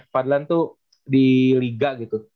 fadlan tuh di liga gitu